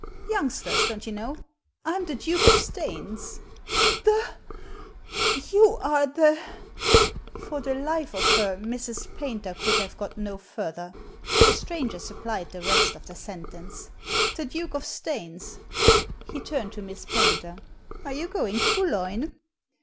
•• Youngsters, don't you know. I'm the Duke of Staines." "The You are the ^" For the life of her, Mrs. Paynter could have got no further. The stranger supplied the rest of the sentence. "The Duke of Staines." He turned to Miss Paynter. "Are you going to Boulogne?"